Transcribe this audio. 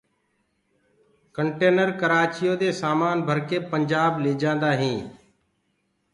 ڪنٽينر ڪرآچيو دي سآمآن ڀرڪي پنٚجآب ليجآنٚدآ هينٚ